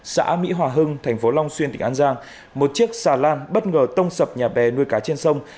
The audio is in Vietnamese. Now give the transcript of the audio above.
xã mỹ hòa hưng thành phố long xuyên tỉnh an giang một chiếc xà lan bất ngờ tông sập nhà bè nuôi cá trên sông